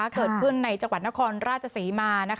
เกิดขึ้นในจังหวัดนครราชศรีมา